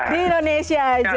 di indonesia aja